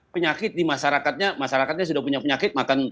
penyakit di masyarakatnya masyarakatnya sudah punya penyakit